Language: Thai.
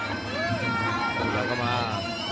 ตรงนั้นก็มา